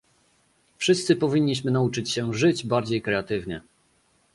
Wszyscy powinniśmy nauczyć się żyć bardziej kreatywnie